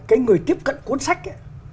cái người tiếp cận cuốn sách ấy